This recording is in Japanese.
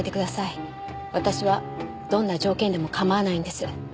私はどんな条件でも構わないんです。